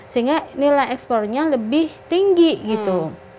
sehingga nilai ekspornya lebih tinggi gitu